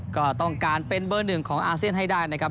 ก็ต้องการเป็นเบอร์หนึ่งของอาเซียนให้ได้นะครับ